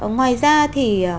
ngoài ra thì